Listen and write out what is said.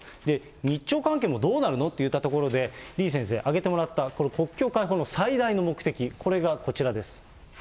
日朝関係もどうなるの？といったところで、李先生、挙げてもらったこれ、国境開放の最大の目的、これがこちらです。